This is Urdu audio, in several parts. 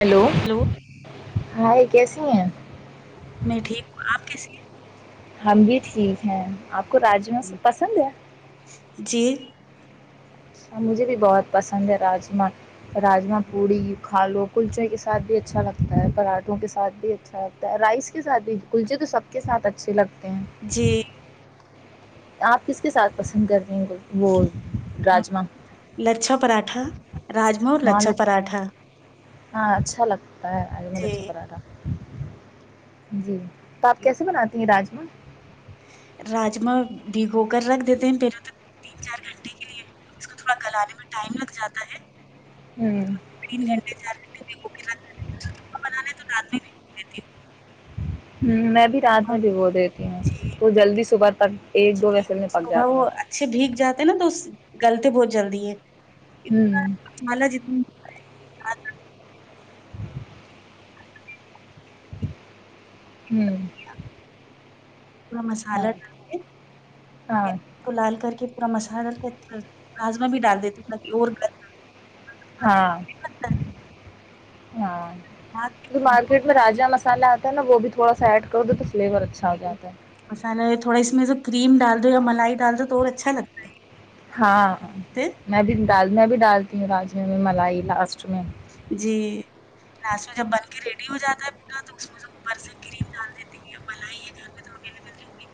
ہیلو ہلو ہ کیسیے ہیں میں ٹھیک ہوں آپ کیسی ہم بھی ٹھیک ہیں آپ کو راجم س پسند ہے جی اچھا مجھے بھی بہت پسند ہے راجما راجما پوڑی کھا لو کلچے کے ساتھ بھی اچھا لگتا ہے پراھوں کے ساتھ بھی اچھا لگتا ہے رائس کے ساتھ بھی کلچے تو سب کے ساتھ اچھے لگتے ہیں جی آپ کس کے ساتھ پسند کرتے ہیں کل- وہ راجما لچھا پاٹھا راجما ہاں لچھا لچ پراٹھا ہاں اچھا لگتا ت آ مج جی اچھا کرا رہ تھا جی تو آپ کیسے بناتی ہیں رج و [inaudible] راجما بھگو کر رکھ دیتے ہیں پہلے تو تین چار گھنٹے کے لیے اس کو تھوڑا گلانے میں ٹائم لگ جاتا ہے ہوں تین گھنٹے چار گھنٹے [unintelligible] بنانے تو رات [unintelligible] ہوں میں [unintelligible] ابھی رات ہوں میں صبح۔ بھیگو دیتی ہوں جی تو جلدی صبح تک ایک دو جی ویسل میں پک صبح جاتا ہوں [unintelligible] غلط بہت جلدی ہے [unintelligible] انا مل جنا [unintelligible] ہوں [inaudible] پورا ہاں مسالہ ڈال کے ہاں اس کو لال کر کے [unintelligible] پورا مسالہ ڈال کے راجمہ بھی ڈال دیتے ا کہ اور گر [unintelligible] ہاں [unintelligible] ہاں مارکیٹ میں راجا مسالا [unintelligible] ا وہ بھی تھوڑا سا ایڈ کر دو تو [unintelligible] ہو جاتا ہے مسل تھوڑا اس م [unintelligible] کریم ڈال دو یا ملائی ڈال دو تو اور اچھا لگتا ہے [unintelligible] ہاں میں بھی ڈال میں بھی ڈالتی ہوں راج [unintelligible] مل لاسٹ میں [unintelligible] جی لاشو جب بن کے ریڈی ہو جاتا ہے پورا تو اس میں سے اوپر سے کریم ڈال دیتے ہیں ملائی ہے گھر میں تو اویلیبلگی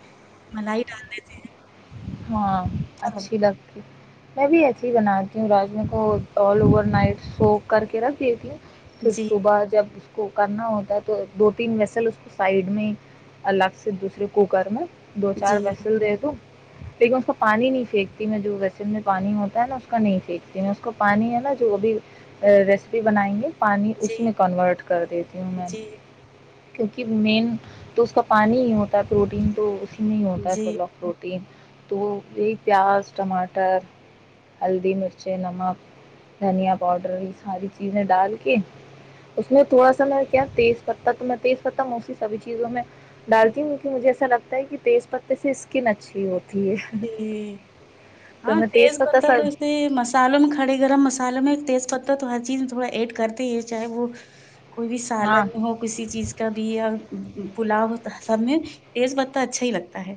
ملائی ڈال دیتے ہیں [unintelligible] ہاں [inaudible] اچھا اچھی لگتا لگتی [unintelligible] میں بھی ایسیھی ہی بناتی ہوں راجم کو آل اوور نائٹ سو کر کے رکھ دیتی ہوں [unintelligible] ہے پھر جی صبح جب [unintelligible] کو کرنا ہوتا ہے تو دو تین ویسل اس کو سائڈ میں الگ سے دوسرے کوکر میں [unintelligible] دو جی چار بسل دے تو لیکن اس کا پانی نہیں پھینکتی میں جو ویسے میں پانی ہوتا ہے نا اس کا نہیں پھینکتی میں اس کو پانی ہے نا جو ابھی ریسیپی بنائیں گی پانی جی اسی میں کنورٹ کر دیتی ہوں میں جی کیونکہ مین تو اس کا پانی ہی ہوتا ہے پروٹین تو اسی میں ہی ہوتا ہے جی سلہ فروٹی تو یہ پیاز ٹماٹر ہلدی مرچے نمک دھنیا پاؤڈر یہ ساری چیزیں ڈال کے اس میں تھوڑا سا میں کیا تیز پہ تو میں تیز پتہ موسی سبھی چیزوں میں ڈالتی ہوں کیکہ مجھے ایسا لگتا ہے کہ تیز پتے سے اسکن اچھی ہوتی ہے ج تو ہاں میں تیز پتہ سب تو ایسے مسالوں میں کھڑے گرم مسالوں میں تیز پہ ہو تو ہر چیز تھوڑا ایڈ کرتے ہیں چاہے وہ کوئی بھی سال ہاں نہیں ہو کسی چیز کا بھی پلاؤ ہوتا سب میں تیز بتا اچھا ہی لگتا ہے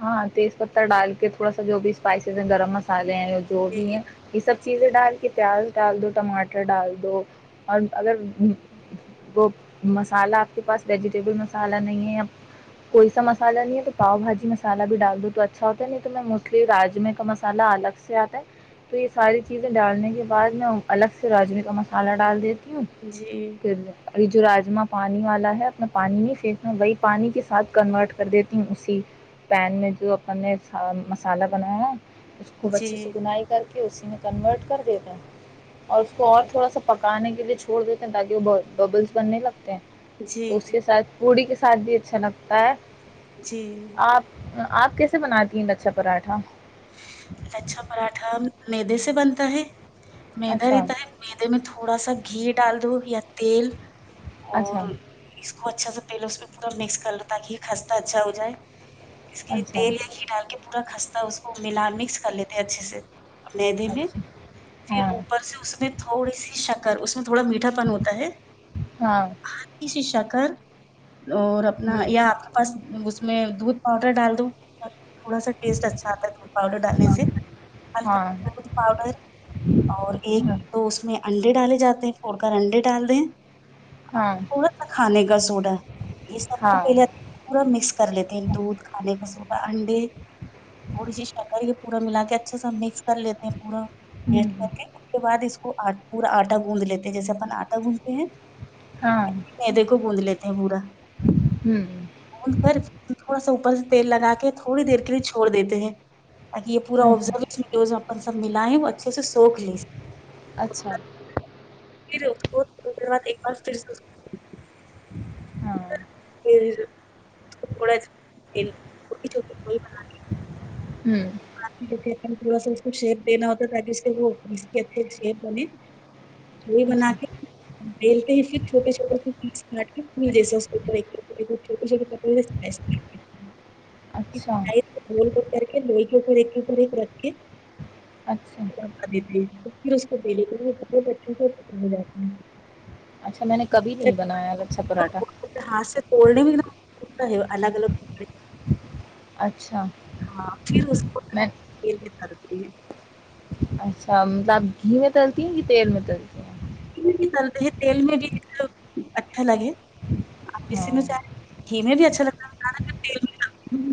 ہاں تیز پتہ ڈال کے تھوڑا سا جو بھی اسپائسیز ہے گرم مسالے جو بھی ہیں یہ سب چیزیں ڈال کے پیاز ڈال دو ٹماٹر ڈال دو اور اگر وہ مسالہ آپ کے پاس ویجیٹیبل مسالحہ نہیں ہے یا کوئی سا مسالحہ نہیں ہے تو پاؤ بھاجی مسال مسالحہ بھی ڈال دو تو اچھا ہوتا ہے نہیں تو میں موسٹلی راجمے کا مسالہ الگ سے آتا ہے تو یہ ساری چیزیں ڈالنے کے بعد میں الگ سے راجے کا مسالحہ ڈال دی ہ کیوں جی جی پ ل اور یہ جو راجما پانی والا ہے اپنا پانی نہیں پھینکنا وہی پانی کے ساتھ کنورٹ کر دیتی ہوں اسی پین میں جو اپ نے مسالہ بنایا اس خوب اچھے سے جی گنائی کر [inaudible] کہ اسی میں کنورٹ کر دیتاوں اور اس کو اور تھوڑا سا پکانے کے لیے چھوڑ دیتے ہیں تاکہ وہ ببلس بننے لگتے ہیں تو جی اس کے ساتھ پوڑی کے ساتھ سادھ بھی اچھا لگتا ہے جی آپ آپ کیسے بناتی ہیں لچھا پراٹھا لچھا پراٹھا مدے سے بنتا ہے مدا اچھا رہتا ہے مدے میں تھوڑا سا گھی ڈال دووں یا تل اچھا [inaudible] اچھا سے پہلے اس میں پورا مکس کر لو تاکہ یہ خستہ اچھا ہو جائے اس کے لیے اچھا تیل یا ک ڈال کے پورا خستہ اس کو ملا مکس چ لیتے اچھے سے مدے میں اچھا ہاں پھر اوپر سے اس میں تھوڑی سی شک کر اس تھوڑا میٹھا پان ہوتا ہے ہاں کی شش اک اور اپنا یا ہاں آپ کے پاس اس میں دودھ پاؤڈر ڈال دو تھوڑا ٹ اچھاتا ہے دودول پؤر ڈا ہلکا ہاں دودھ پاؤڈر اور ایک ہاں دو اس میں انڈے ڈالے جاتے ہیں پھڑ کر انڈے ڈال دیں ہاں تھوڑا سا کھانے کا سوڈا یہ سب کو پہلے پورا مکس کر لیتے ہیں دودھ کھانے کا سوڈا ہڈے اورڑی سی شٹکار کے پورا ملا کے اچھا سس کر لیتے ہیں پورا ویٹ ہاں کر کے اس کے بعد اس کو پورا آٹا گوندھ لیتے ہیں جیسے اپن آٹا گوھتے ہیں ہاں دے کو بوند ل ا بورا ہوں ا کر تھوڑا سا اپر تیل لگا کے تھوڑی دیر کے لیے چھوڑ دیتے ہیں ب یہ پورا ایسا آبزرو مڈو اپ سب ملایں وہ اچھے سے سوکھ لے سک اچھا پھر اس کوڑ دیر بعد ایک بار پھر س ہاں جز [inaudible] چ [inaudible] ہوں تھوڑا سا اس کو شیپ دینا ہوتا تاکہ اس کے بھی اچھے شیپ بنے وہی اچھا بنا کے بیلتے ہی پھر چھوٹے چھوٹے جیس چھوٹیے چھوٹیے اچھا ب [inaudible] ج کے ل کر کر کے اچھا ج جی پ اس کو د کےچے سے جات اچھا میں نے کبھی نہیں بنایا لچھا پراٹھا پھر ہاتھ سے توڑنے میں اتنا ہے الگ الگ ک اچھا ہاں پھر کو میں ج اچھا مطلبپ گھی میں تلتی ہیں کہ تیل میں تلتی ہیں تیل میں بھی اچھا لگے اس ہاں میںاہ گھی میں بھی اچھا لگتای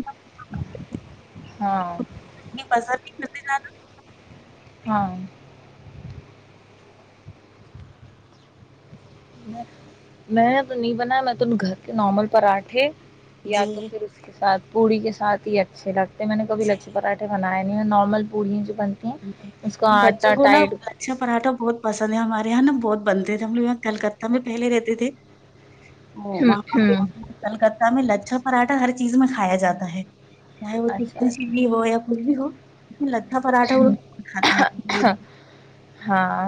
ہاں اتنی پسند نہیں کرتے جدا [inaudible] ہاں میں میں تو نہیں بنایا میں تو گھر کے نارمل پراٹھے یا تو جی پھر اس کے ساتھ پوڑی کے ساتھ ہی اچھے لگتے م میں نے کب لکچی پتار تھہ بنائے پڑ ج بچوں کو نا لچھا پراٹھا بہت پسند ہے ہمارے یہ بہت بنتے تھے ہم لوگ یہاں کلکتہ میں پہلے رہتے تھے ا وہاں پہ کلکتہ میں لچھ پراٹھا ہر چیز میں کھایا جاتا ہے چاہے وہ اچھا چکن اچھا چلی ہو یا کچھ بھی ہو پ لتا ہاں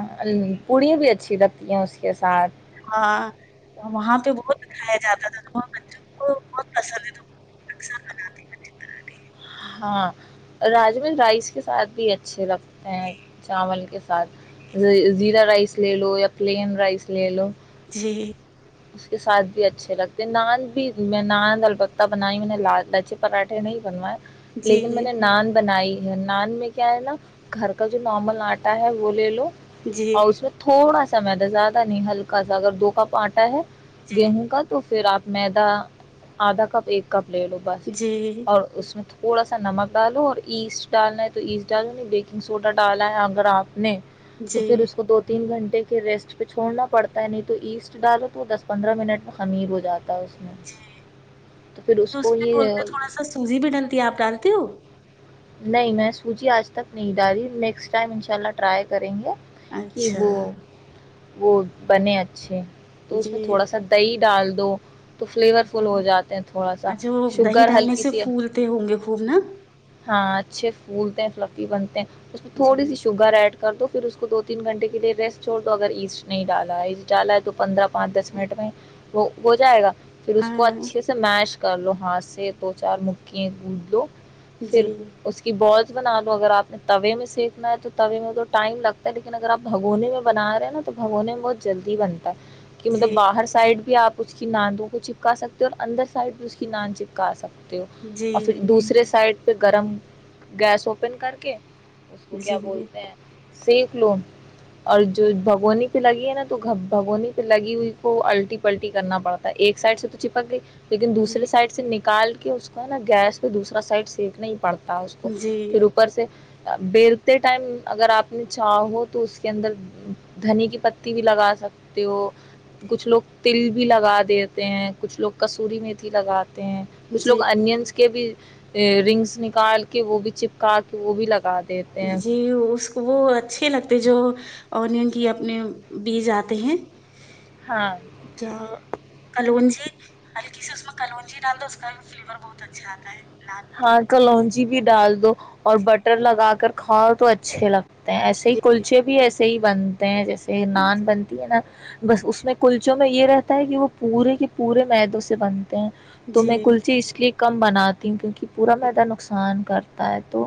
پڑی بھی اچھی تھا یا کے ساتھ اور وہاں پہ بہت دکھایا جاتا تھا تو وہ بچوں کو بہت پسند ہے تو اکثر بناتے پراھے ہاں راجم رائس کے ساتھ بھی اچھے لگتے ا چاول کے ساتھ زیرہ رائس لے لو یا پلین رائس لے لو جی اس کے ساتھ بھی اچھے لگتے نان بھی میں نان ال پہ بنائی میں نے لا لاچی پراٹھے نہیں بنوائے لیکن میں جی نے نان بنائی یا نان میں کیا ہے نا گھر کا جو نارمل آٹا ہے وہ لے لو جی اور اس میں تھوڑا سا سمے تو زیادہ نہیں ہلکا س اگر دو کا پارٹ ا [unintelligible] گیہوں کا تو پھر آپ میدا آدھا کپ ایک کپ لے لو بس جی اور اس میں تھوڑا سا نمک ڈالو اور ایسٹ ڈالنا ہے تو ایسٹ ڈالو نہیں بیکنگ سوڈا ڈالا ہے اگر آپ نے تو جی پھر اس کو دو تین گھنٹے کے ریسٹ پہ چھڑنا پڑتا ہے نہیں تو ایسٹ ڈال وہ دس پندرہ منٹ میں خمیر ہو جاتے جی اس کو میں یہ بولتے تھوڑا سا سوزی بھی ڈنتی ہے آپ ڈانتی ہو نہیں میں سوچی آج تک نہیں ڈال رہی نیکسٹ ٹائم انشاء اللہ ٹرائی کریں گے کہ اچھا وہ [unintelligible] وہ بنے اچھے تو اس میں تھوڑا سا دہی ڈال دو تو فلیور فل ہو اچ جاتے ہیں تھوڑا سا اچھا وہ دہی شوگر ڈالنے ہلکی سے سی پھولتے ہوں گے خوب نا ہاں اچھے پھولتے ہیں فلفی بنتے ہیں اس تھوڑی جی سی شوگر ایڈ کر دو اس کو دو تین گھنٹے کے لیے ریس چھڑ دو اگر ایسٹ نہیں ڈالا ہے ایسٹ ڈالا تو پندرہ پانچ دس منٹ میں وہ ہو جائے گا پھر اس کو ہاں اچھے سے میش کر لو ہاتھ سے دو چار مکھی گد لو جی پھر اس کی بہت بنا لو اگر آپ نے توے میں سینیکنا ہے توے میں تو ٹائم لگتا ہے لیکن اگر آپ بھگونے میں بنا رہے نا تو بگونے میں بہت جلدی بن کہ مطلب جی باہر سائڈ بھی آپ اس کی ناندوں کو چپکا سکتے ہو اور اندر سائڈ بھی اس کی ناند چپکا سکتے جی اور پھر دوسرے سائڈ پہ گرم گیس اوپن کر کے اس کو جی کیا بولتے ہیں سییک لو اور جو بھگونی پہ لگی ہے نا تو بھگونی پہ لگی ہوئی کو الٹی پلٹی کرنا پڑتا ہے ایک سائڈ سے تو چپک گئی لیکن جی دوسرے سائڈ سے ن نکال کے اس کو ہے نا گیس پہ دوسرا سائڈ سی نہیں [inaudible] پڑتا ہے اس کو جی پھر اوپر سے بییرتے ٹائم اگر آپ نے چاہو تو اس کے اندر دھنی کی پتی بھی لگا سکتے ہو کچھ لوگ تل بھی لگا دیتے ہیں کچھ لوگ کسور میںیتھی لگات ہیں کچھ لوگ جی اننس کے بھی ا رنگس [unintelligible] نکال کے وہ بھی چپکا کے وہ بھی لگا د جی اس کو وہ اچھی لگتے جو اورونین کی اپنے بیج آتے ہیں ہاں ج [inaudible] کلونجی ہلکی سے اس میں کلونجی ڈال دو اس کا بھی فلیور بہت اچھا آتا ہے نان ہاں کلو بھی ڈال دو اور بٹر لگا کر کھاؤ تو اچھے لگتے ایسے ہی جی کلچے بھی ایسے ی ہی بنتے ہیں جیسے پ نان بنتی ہے نا بس اس میں کلچوں میں یہ رہ کہ وہ پورے کے پورے میدوں سے بن ہیں جی تو میں جی کلسیی اس لیے کم بناتی ہ کیونکہ کہ پورا میدہ نقصان کرتا ہے تو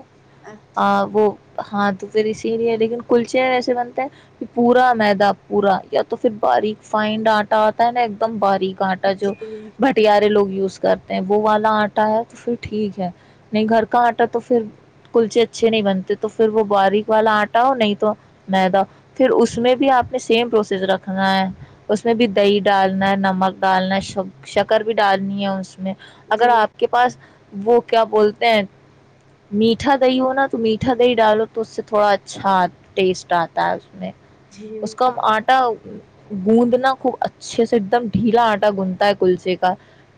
آ وہ ہاں تو پھر اسی لیے لیکن کلچے ایسے بنتے ہیں کہ پورا میدا پورا یا تو پھر باریک فائنڈ آٹا آتا ہے نا ایک دم باریک کٹا جو بھٹیارے لوگ وز کرتے ہیں وہ والا آٹا ہے تو پھر ٹھیک ہے نہیں گھر کا آٹا تو پھر کلچے اچھے نہیں بنتے تو پھر وہ باریک والا آٹا ہو نہیں تو مدہ پھر اس میں بھی آپ نے سیم پروسیس رکھنا ہے اس میں بھی دہی ڈالنا ہے نمک ڈالنا ہے شکر بھی ڈالنی ہے اس میں جی جی اگر آپ کے پاس وہ کیا بولتے ہیں میٹھا دہی ہو نا تو میٹھا دہی ڈالو تو اس سے تھوڑا اچھا ٹیسٹ آتا ہے جی اس کو ہم آٹ ا گوندنا خوب اچھے سے ایک دم ڈھیلا آٹا گوندھتا ہے کل سےے کا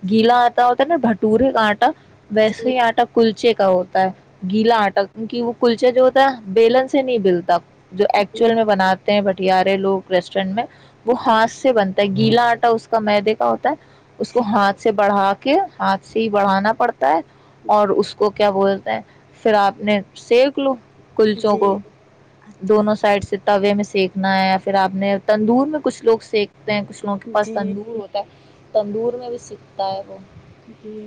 جی جی گیلا آتا ہوتا ن ب ٹور آٹا ویسے ہی آٹا کلچے کا ہو ہوتا ہے گیلا آٹا کیونکہ وہ کلچے جو ہوتا ہے بیلن سے نہیں بلتا جو ایکچوئل میں بناات بٹارے لوگ ریسٹورینٹ میں وہ ہاتھ سے بنتا ہے گیلا آٹا اس کا مدے کا ہوتا ہے اس کو ہاتھ سے بڑھا کے ہاتھ سے ہی بڑھانا پڑتا ہے اور اس کو کیا بولتا ہے پھر آپ نے سک لو جی جی کلچوں کو جی دونوں سائڈ سے تو ابھی ہمیں سیکھنا ہے پھر اپ نے تندور میں کچھ لوگ سیک میں کچھ لوگوں کے پاس تھا جی نور ہوتا ہے تندور میں بھی سکتا ہے وہ جی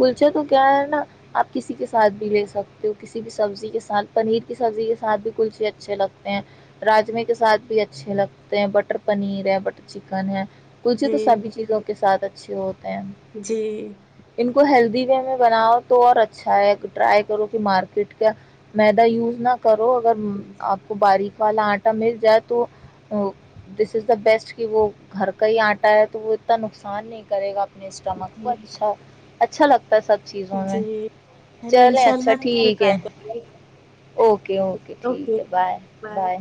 گلچا تو کیا ہے نا اپ کسی کے ساتھ بھی لے سکتے ہو کسی بھی سبزی کے ساتھ پنیر کی سبزی کے ساتھ بھی کوئی سے اچھے لگتے ہیں راجمی کے ساتھ بھی اچھے لگتے ہیں بٹر پنیر ہے بٹر چکن ہے مجھے تو سبھی چیزوں کے ساتھ اچ اچھے ہوتے ہیں جی ان کو ہیلدی وے میں بناؤ تو اور اچھا ہے ٹرائی کرو کہ مارکیٹ کا میدا یوز نہ اگر اپ کو باریک والا مل جائے تو دس از بیسٹ کہ وہ گھر کا ہی اٹا ہے تو وہ اتنا نقصان نہیں کرے گا یہ سٹمک کو جی اچھا ہے اچھا لگتا سب چیزوں جی میں جی چلیے چلیں انشاء اچھا اللہ پھر ٹھیک ہے ٹرائی کریں گے اوکے اوکے ٹھیک ہے بائے بائے